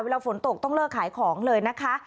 เวลาฝนตกต้องเลิกขายของเลยนะคะ